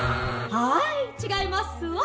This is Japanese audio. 「はいちがいますわ」。